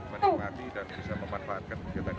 menikmati dan bisa memanfaatkan kegiatan ini